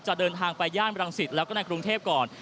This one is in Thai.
เดินทางไปย่านรังสิตแล้วก็ในกรุงเทพก่อน